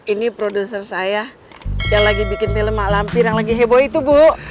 ini produser saya yang lagi bikin film mak lampir yang lagi heboh itu bu